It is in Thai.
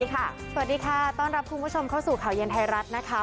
สวัสดีค่ะต้อนรับคุณผู้ชมเข้าสู่ข่าวเย็นไทยรัฐนะคะ